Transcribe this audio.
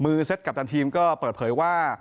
มือเซ็ตกับทางทีมก็เปิดเผยว่า